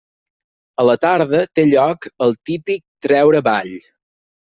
A la tarda té lloc el típic Treure Ball.